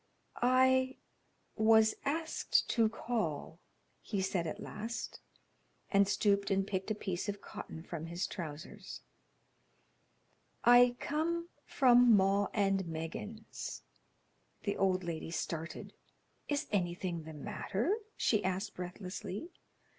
"I was asked to call," he said at last, and stooped and picked a piece of cotton from his trousers. "I come from 'Maw and Meggins.'" The old lady started. "Is anything the matter?" she asked, breathlessly.